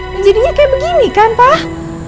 dan jadinya kayak begini kan pak